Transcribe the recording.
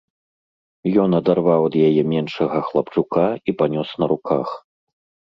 Ён адарваў ад яе меншага хлапчука і панёс на руках.